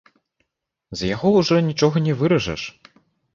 З яго ўжо нічога не выражаш.